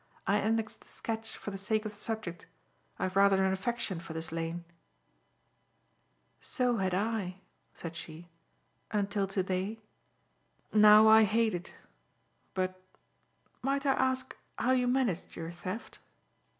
"I annexed the sketch for the sake of the subject. I have rather an affection for this lane." "So had I," said she, "until to day. Now, I hate it, but, might I ask how you managed your theft?"